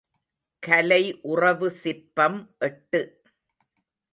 கலை உறவு சிற்பம் எட்டு.